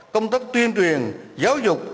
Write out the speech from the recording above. công tác tuyên truyền giáo dục